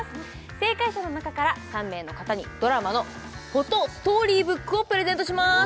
正解者の中から３名の方にドラマのフォトストーリーブックをプレゼントします